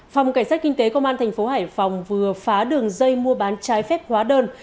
phòng cảnh sát kinh tế công an thành phố hải phòng vừa phá đường dây mua bán trái phép hóa đơn